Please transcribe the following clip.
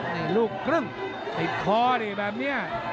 นี่ลูกครึ่งไอ้คอดิแบบเนี้ย